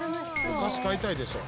お菓子買いたいでしょ。